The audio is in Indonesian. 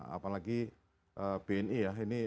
apalagi bni ya